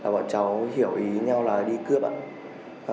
bọn cháu hiểu ý nhau là đi cướp